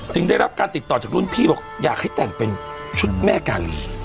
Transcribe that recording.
ได้รับการติดต่อจากรุ่นพี่บอกอยากให้แต่งเป็นชุดแม่กาลี